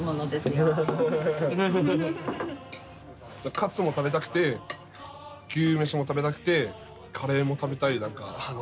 カツも食べたくて牛めしも食べたくてカレーも食べたい